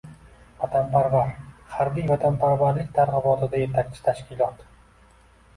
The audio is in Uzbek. “Vatanparvar” — harbiy vatanparvarlik targ‘ibotida yetakchi tashkilotng